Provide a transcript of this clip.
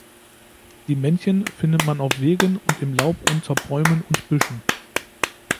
Die Männchen findet man auf Wegen und im Laub unter Bäumen und Büschen.